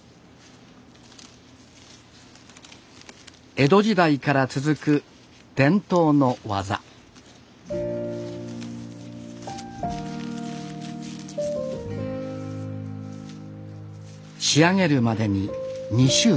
江戸時代から続く伝統の技仕上げるまでに２週間。